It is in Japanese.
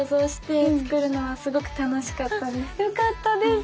よかったです。